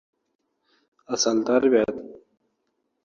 • Vino va tamaki — yaqin qarindosh.